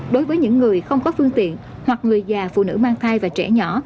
đối với những người không có phương tiện hoặc người già phụ nữ mang thai và trẻ nhỏ